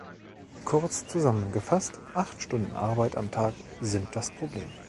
Kurz zusammengefasst: Acht Stunden Arbeit am Tag sind das Problem.